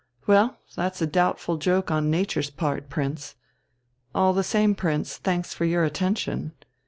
Well, that's a doubtful joke on nature's part, Prince. All the same, Prince, thanks for your attention.